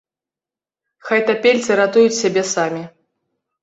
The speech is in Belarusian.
Хай тапельцы ратуюць сябе самі.